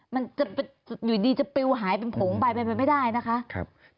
มันอยู่ดีจะเปลี่ยวหายเป็นผงไปไม่ได้นะคะ